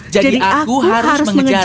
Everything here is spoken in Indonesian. jadi aku harus mengejarnya